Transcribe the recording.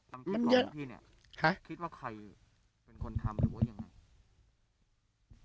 ถามตัววันนี้คิดว่าใครทำหรือไง